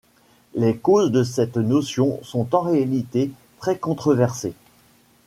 Les causes de cette notion sont en réalité très controversées.